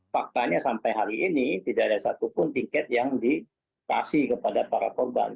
faktanya sampai hari ini tidak ada satupun tiket yang dikasih kepada para korban